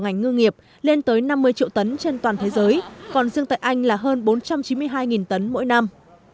cách thức giảm thiểu rác thải của ngành ngư nghiệp lên tới năm mươi triệu tấn trên toàn thế giới còn riêng tại anh là hơn bốn trăm chín mươi hai tấn mỗi năm